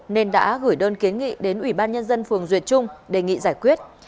nên đã gửi đơn kiến nghị đến ủy ban nhân dân phường duyệt trung đề nghị giải quyết